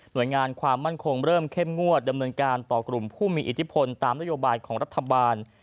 โดยงานความมั่นคงเริ่มเข้มงวดดำเนินการต่อกลุ่มผู้มีอิทธิพลตามนโยบายของรัฐบาล